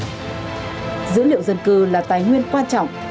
dữ liệu dân cư là tài nguyên quan trọng